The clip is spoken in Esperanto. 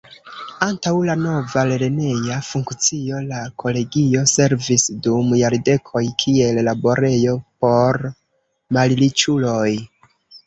Antaŭ la nova lerneja funkcio la Kolegio servis dum jardekoj kiel laborejo por malriĉuloj.